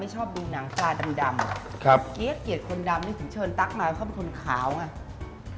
คุณพี่เเบี๊ยดโคนดำเนี่ยคุณเชิญตรั๊กมาเค้ามันคนขาวไง